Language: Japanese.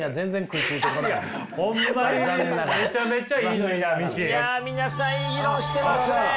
いや皆さんいい議論してますね。